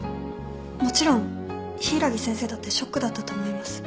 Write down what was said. もちろん柊木先生だってショックだったと思います